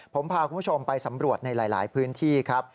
ผมพาคุณผู้ชมไปสำรวจในหลายพื้นที่ครับ